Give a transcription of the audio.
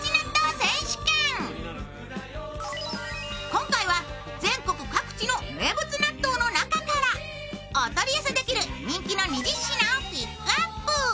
今回は全国各地の名物納豆の中からお取り寄せできる人気の２０品をピックアップ。